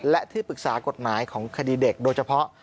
และที่ปรึกษากฎหมายของคดีเด็กโดยเฉพาะ